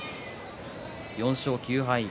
４勝９敗。